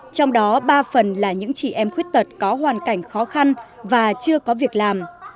trong đó ba phần là những chị em khuyết tật có hoàn cảnh khó khăn và chưa có việc làm